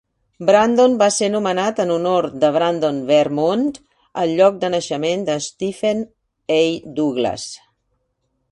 Brandon va ser nomenat en honor de Brandon, Vermont, el lloc de naixement de Stephen A. Douglas.